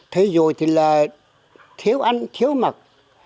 thế rồi thì là thiếu ăn thiếu mặc